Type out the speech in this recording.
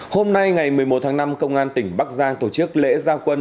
hôm nay ngày một mươi một tháng năm công an tỉnh bắc giang tổ chức lễ gia quân